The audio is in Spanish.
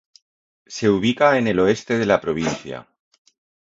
Se ubica en el oeste de la provincia.